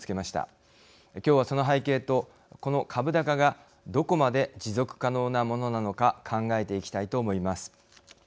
今日はその背景とこの株高がどこまで持続可能なものなのか考えていきたいと思います。